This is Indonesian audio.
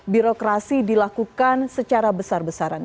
birokrasi dilakukan secara besar besaran